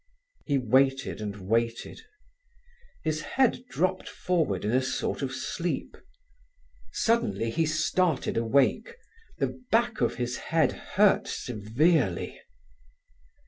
He waited and waited; his head dropped forward in a sort of sleep. Suddenly he started awake. The back of his head hurt severely.